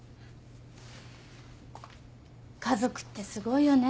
家族ってすごいよね。